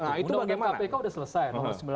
nah itu bagaimana